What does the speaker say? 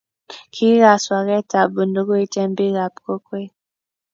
Kingigas waketab bundukit eng bikap kokwet